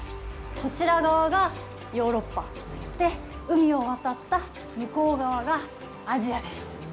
こちら側がヨーロッパで海を渡った向こう側がアジアです。